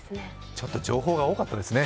ちょっと情報が多かったですね。